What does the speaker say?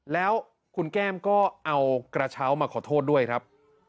แล้วคุณแก้มก็เอากระเช้ามาขอโทษด้วยครับ